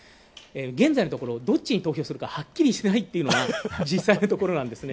現在のところどっちに投票するかはっきりしないというのが実際のところなんですね。